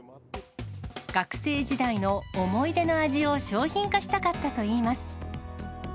学生時代の思い出の味を商品化したかったといいます。